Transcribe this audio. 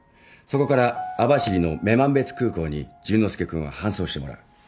そこから網走の女満別空港に淳之介君を搬送してもらう。